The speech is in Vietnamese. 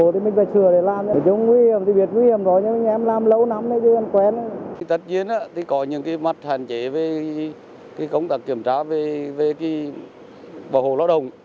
tất nhiên có những mặt hạn chế về công tác kiểm tra về bảo hộ lao động